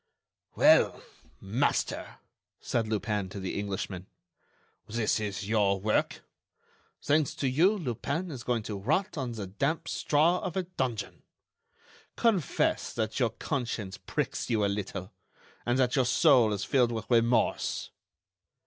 "Well, master," said Lupin to the Englishman, "this is your work. Thanks to you, Lupin is going to rot on the damp straw of a dungeon. Confess that your conscience pricks you a little, and that your soul is filled with remorse."